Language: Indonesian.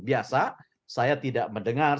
biasa saya tidak mendengar